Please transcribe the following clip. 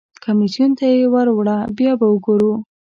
کمیسیون ته یې ور وړه بیا به وګورو.